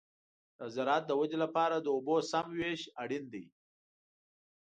د زراعت د ودې لپاره د اوبو سمه وېش اړین دی.